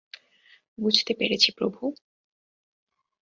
বুঝতে পেরেছি, প্রভু।